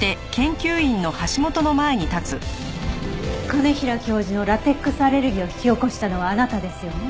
兼平教授のラテックスアレルギーを引き起こしたのはあなたですよね？